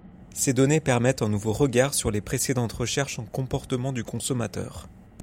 Ces données permettent un nouveau regard sur les précédentes recherches en comportement du consommateur.